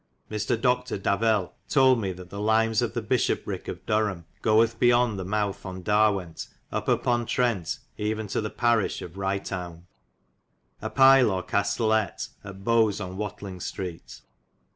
Mr. Doctor Davel told me that the limes of the Bisshoprike of Duresme goith beyond the mouth on Darwent up apon Trente even to the paroch of Rytoun/ A pile or castelet at Bowes on Watheling Streate.